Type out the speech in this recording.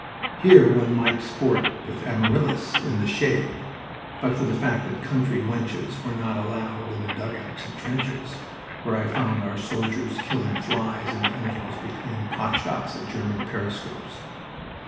Here one might sport with Amaryllis in the shade, but for the fact that country wenches were not allowed in the dugouts and trenches, where I found our soldiers killing flies in the intervals between pot shots at German periscopes.